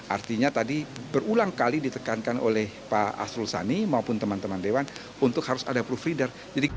artinya tadi berulang kali ditekankan oleh pak asrul sani maupun teman teman dewan untuk harus ada provider